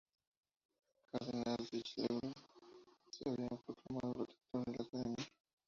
El cardenal Richelieu se había proclamado protector de la Academia.